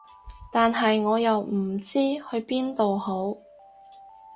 但係我又唔知去邊度好